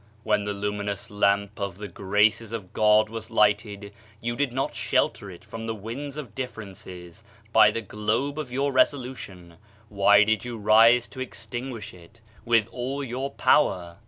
When the lumi nous Lamp of the Graces of God was lighted, you did not shelter it from the winds of differences, by the globe of your resolution; why did you rise to extinguish it with all your power?"